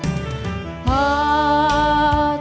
จูบลูกหลายเท่าโยม